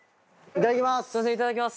いただきます。